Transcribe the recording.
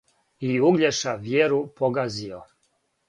И Угљеша вјеру погазио,